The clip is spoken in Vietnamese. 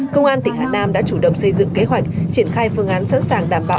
công an tỉnh hà nam đã chủ động xây dựng kế hoạch triển khai phương án sẵn sàng đảm bảo